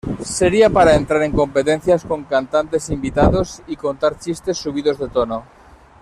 Sería para entrar en competencias con cantantes invitados y contar chistes subidos de tono.